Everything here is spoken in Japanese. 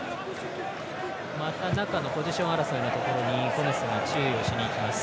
中のポジション争いのところにゴメスが注意をしにいきます。